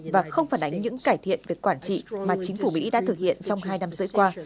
và không phản ánh những cải thiện về quản trị mà chính phủ mỹ đã thực hiện trong hai năm rưỡi qua